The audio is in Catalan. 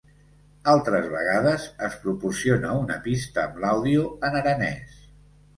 Altres vegades, es proporciona una pista amb l'àudio en aranès.